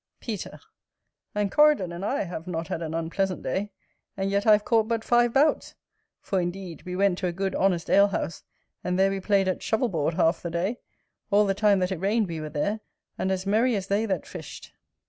Peter. And Coridon and I have not had an unpleasant day: and yet I have caught but five bouts; for, indeed, we went to a good honest ale house, and there we played at shovel board half the day; all the time that it rained we were there, and as merry as they that fished.